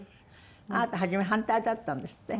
あなた初め反対だったんですって？